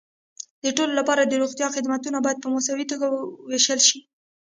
د ټولو لپاره د روغتیا خدمتونه باید په مساوي توګه وېشل شي.